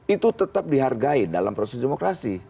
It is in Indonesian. itu tetap dihargai dalam proses demokrasi